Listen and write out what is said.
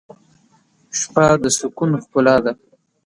شپه د سکون ښکلا ده.